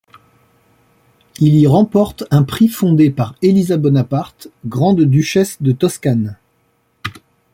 Il y remporte un prix fondé par Elisa Bonaparte, grande-duchesse de Toscane.